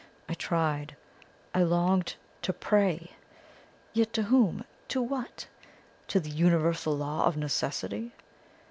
I tried, I longed to PRAY. Yet to whom? To what? To the Universal Law of Necessity?